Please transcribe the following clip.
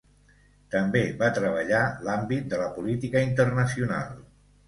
També va treballar l'àmbit de la política internacional.